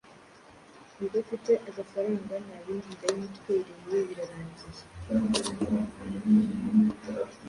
Ubwo afite agafaranga nta bindi ndayimutwereye birarangiye!”